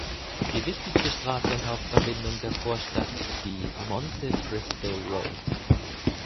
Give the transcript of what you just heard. Die wichtigste Straße und Hauptverbindung der Vorstadt ist die "Monte Christo Road".